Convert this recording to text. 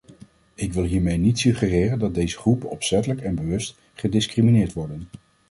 Ik wil hiermee niet suggereren dat deze groepen opzettelijk en bewust gediscrimineerd worden.